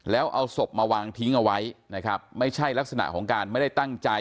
แล้วเอาศพมาวางทิ้งเอาไว้นะครับไม่ใช่ลักษณะของการไม่ได้ตั้งใจ